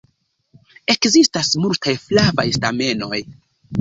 Ekzistas multaj flavaj stamenoj.